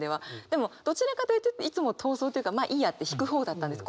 でもどちらかというといつも逃走というかまあいいやって引く方だったんです。